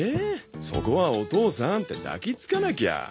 そこは「お父さん」って抱きつかなきゃ。